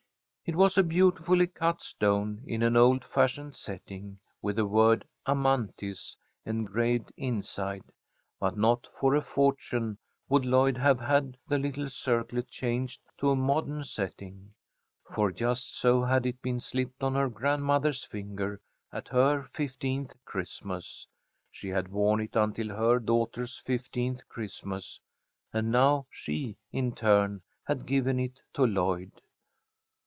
It was a beautifully cut stone in an old fashioned setting, with the word "Amanthis" engraved inside; but not for a fortune would Lloyd have had the little circlet changed to a modern setting. For just so had it been slipped on her grandmother's finger at her fifteenth Christmas. She had worn it until her daughter's fifteenth Christmas, and now she, in turn, had given it to Lloyd.